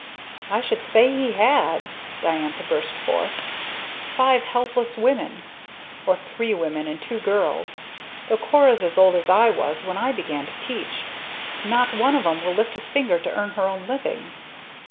"I should say he had!" Diantha burst forth. "Five helpless women! or three women, and two girls. Though Cora's as old as I was when I began to teach. And not one of 'em will lift a finger to earn her own living."